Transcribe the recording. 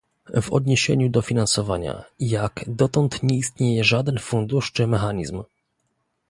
W odniesieniu do finansowania - jak dotąd nie istnieje żaden fundusz czy mechanizm